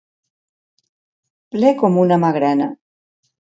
Ple com una magrana.